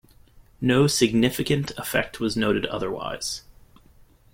No significant effect was noted otherwise.